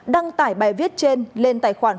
đăng tải bài viết trên lên tài khoản